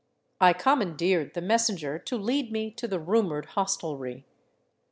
I comman deered the messenger to lead me to the rumored hostelry.